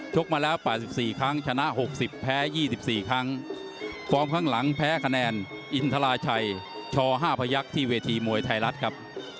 ชกมาแล้วป่าสิบสี่ครั้งชนะหกสิบแพ้ยี่สิบสี่ครั้งฟอร์มข้างหลังแพ้คะแนนอินทราชัยช่อห้าพยักษ์ที่เวทีมวยไทยรัฐครับ